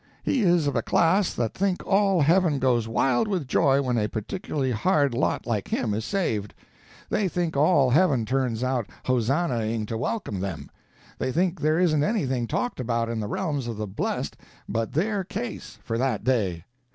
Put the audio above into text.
He is of a class that think all heaven goes wild with joy when a particularly hard lot like him is saved; they think all heaven turns out hosannahing to welcome them; they think there isn't anything talked about in the realms of the blest but their case, for that day.